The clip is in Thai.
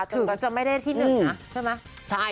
ถึงจะไม่ได้ที่๑นะใช่ไหม